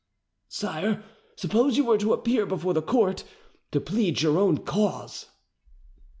"Sire, suppose you were to appear before the court, to plead your own cause?"